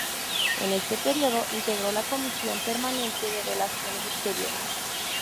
En este período integró la comisión permanente de Relaciones Exteriores.